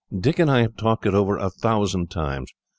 Dick and I have talked it over, a thousand times.